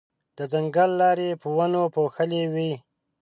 د ځنګل لارې په ونو پوښلې وې.